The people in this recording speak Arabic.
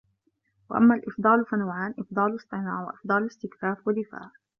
وَأَمَّا الْإِفْضَالُ فَنَوْعَانِ إفْضَالُ اصْطِنَاعٍ ، وَإِفْضَالُ اسْتِكْفَافٍ وَدِفَاعٍ